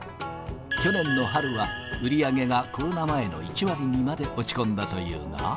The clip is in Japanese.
去年の春は、売り上げがコロナ前の１割にまで落ち込んだというが。